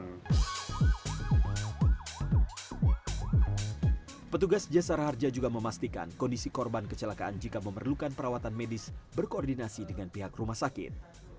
petugas jasara harja juga memastikan kondisi korban kecelakaan jika memerlukan perawatan medis berkoordinasi dengan pihak rumah sakit